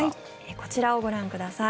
こちらをご覧ください。